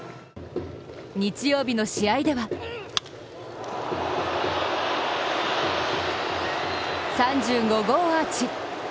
日曜日の試合では３５号アーチ！